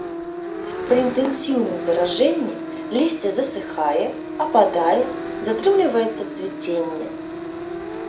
Пры інтэнсіўным заражэнні лісце засыхае, ападае, затрымліваецца цвіценне.